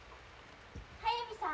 ・速水さん。